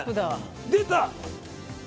出た！